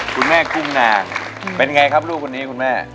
คุณแม่กุ้งนาเป็นไงครับลูกคนนี้คุณแม่